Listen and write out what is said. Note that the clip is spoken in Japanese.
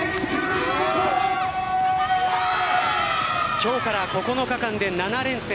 今日から９日間で７連戦。